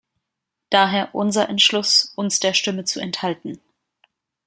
Daher unser Entschluss, uns der Stimme zu enthalten.